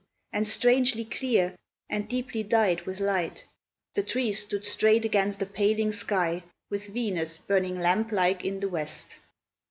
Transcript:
And strangely clear, and deeply dyed with light, The trees stood straight against a paling sky, With Venus burning lamp like in the west.